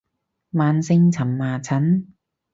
慢性蕁麻疹